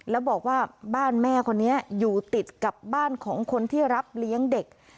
แล้วบอกว่าบ้านแม่คนนี้อยู่ติดกับบ้านของคนที่รับเลี้ยงเด็ก